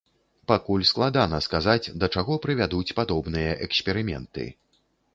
Пакуль складана сказаць, да чаго прывядуць падобныя эксперыменты.